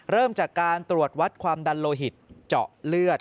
เริ่มจากการตรวจวัดความดันโลหิตเจาะเลือด